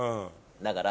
だから。